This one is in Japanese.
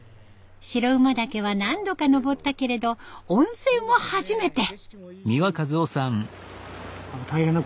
白馬岳は何度か登ったけれど温泉は初めて。